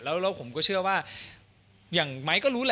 แล้วผมก็เชื่อว่าอย่างไม้ก็รู้แหละ